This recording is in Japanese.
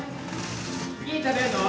次に食べるのは。